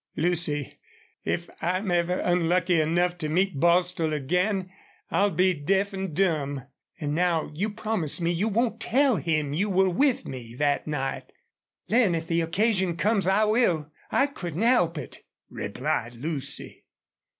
"Lucy, if I'm ever unlucky enough to meet Bostil again I'll be deaf an' dumb. An' now you promise me you won't tell him you were with me that night." "Lin, if the occasion comes, I will I couldn't help it," replied Lucy.